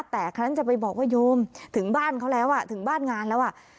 แต่ครั้งนั้นจะไปบอกว่าโยมถึงบ้านเขาแล้วอ่ะถึงบ้านงานแล้วอ่ะ